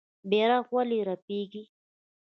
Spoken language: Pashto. بیرغ ولې رپیږي؟